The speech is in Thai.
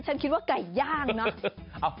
ฉันคิดว่าไก่ย่างเนอะ